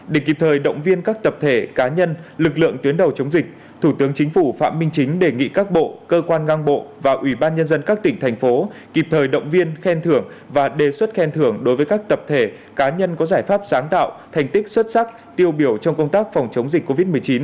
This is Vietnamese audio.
để kịp thời động viên các tập thể cá nhân lực lượng tuyến đầu chống dịch thủ tướng chính phủ phạm minh chính đề nghị các bộ cơ quan ngang bộ và ủy ban nhân dân các tỉnh thành phố kịp thời động viên khen thưởng và đề xuất khen thưởng đối với các tập thể cá nhân có giải pháp sáng tạo thành tích xuất sắc tiêu biểu trong công tác phòng chống dịch covid một mươi chín